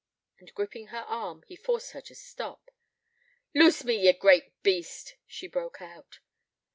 And gripping her arm, he forced her to stop. 'Loose me, ye great beast,' she broke out.